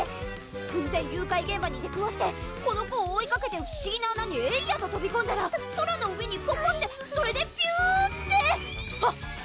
偶然誘拐現場に出くわしてこの子を追いかけて不思議な穴にえいやととびこんだら空の上にぽこんってそれでぴゅーってはっ！